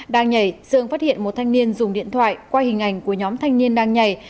đang nhảy dương phát hiện một thanh niên dùng điện thoại qua hình ảnh của nhóm thanh niên đang nhảy